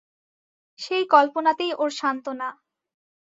সেই কল্পনাতেই ওর সান্ত্বনা।